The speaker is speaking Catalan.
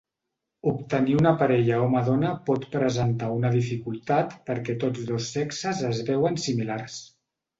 Obtenir una parella home-dona pot presentar una dificultat perquè tots dos sexes es veuen similars.